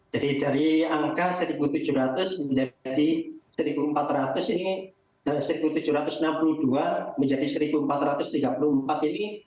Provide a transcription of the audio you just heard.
jadi dari angka seribu tujuh ratus menjadi seribu empat ratus ini dan seribu tujuh ratus enam puluh dua menjadi seribu empat ratus tiga puluh empat ini